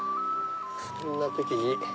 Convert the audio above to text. そんな時に。